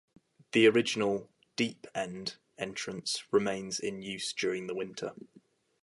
The original "deep end" entrance remains in use during the winter.